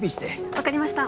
分かりました。